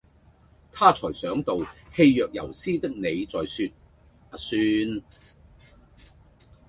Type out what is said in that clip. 她才想到氣若游絲的你在說「阿孫」！